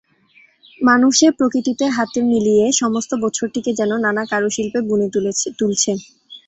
মানুষে প্রকৃতিতে হাত মিলিয়ে সমস্ত বছরটিকে যেন নানা কারুশিল্পে বুনে তুলছে।